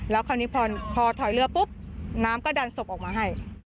แล้วคราวนี้พอถอยเรือปุ๊บน้ำก็ดันศพออกมาให้